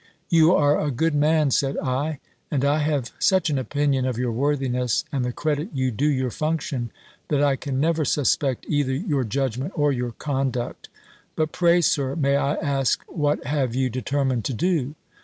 "You are a good man," said I; "and I have such an opinion of your worthiness, and the credit you do your function, that I can never suspect either your judgment or your conduct. But pray, Sir, may I ask, what have you determined to do?"